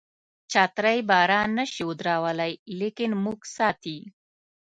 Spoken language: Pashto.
چترۍ باران نشي ودرولای لیکن موږ ساتي.